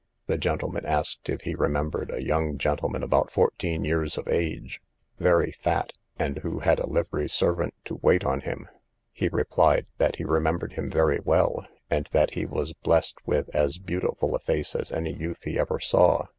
The gentleman asked if he remembered a young gentleman about fourteen years of age, very fat, and who had a livery servant to wait on him. He replied, that he remembered him very well, and that he was blest with as beautiful a face as any youth he ever saw.